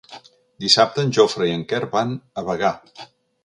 Dissabte en Jofre i en Quer van a Bagà.